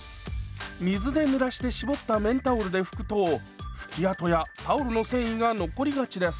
水でぬらして絞った綿タオルで拭くと拭き跡やタオルの繊維が残りがちです。